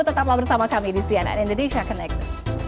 tetaplah bersama kami di cnn indonesia kene kene kene